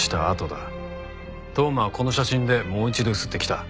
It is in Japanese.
当麻はこの写真でもう一度ゆすってきた。